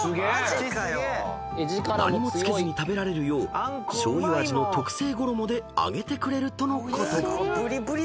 ［何も付けずに食べられるよう醤油味の特製衣で揚げてくれるとのこと］